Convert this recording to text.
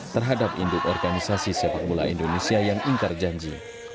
terhadap induk organisasi sepak bola indonesia yang ingkar janji